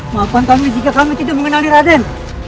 maafkan kami jika kami tidak mengenali raden